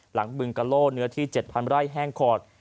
บึงกะโล่เนื้อที่๗๐๐ไร่แห้งขอด